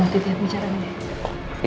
waktu itu pembicaraan dia